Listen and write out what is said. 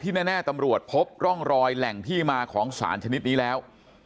แน่ตำรวจพบร่องรอยแหล่งที่มาของสารชนิดนี้แล้ว